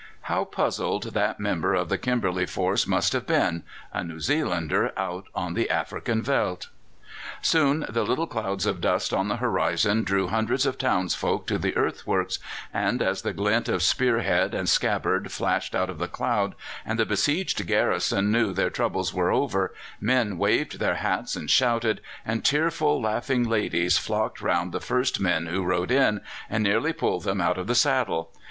'" How puzzled that member of the Kimberley force must have been a New Zealander out on the African veldt! Soon the little clouds of dust on the horizon drew hundreds of townsfolk to the earthworks, and as the glint of spear head and scabbard flashed out of the cloud, and the besieged garrison knew their troubles were over, men waved their hats and shouted, and tearful, laughing ladies flocked round the first men who rode in, and nearly pulled them out of the saddle.